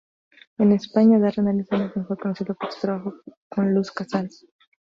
En España, Darren Allison es mejor conocido para su trabajo con Luz Casal.